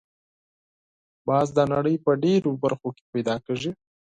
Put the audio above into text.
باز د نړۍ په ډېرو برخو کې پیدا کېږي